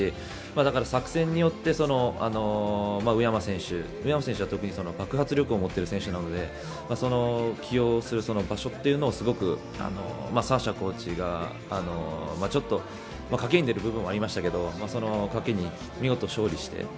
だから、作戦によって宇山選手は特に爆発力を持っている選手なので起用する場所というのをすごくコーチが賭けに出る部分もありましたけどその賭けに見事、勝利して。